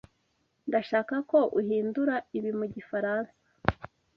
Ndashaka ko uhindura ibi mu gifaransa.